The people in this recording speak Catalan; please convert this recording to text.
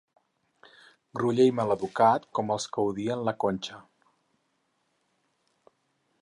Groller i maleducat com els que odien la Conxa.